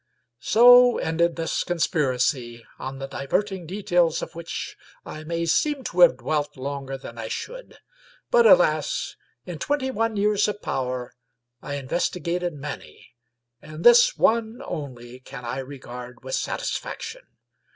So ended this conspiracy, on the diverting details of which I may seem to have dwelt longer than I should ; but alas ! in twenty one years of power I investigated many, and this one only can I regard with satisfaction.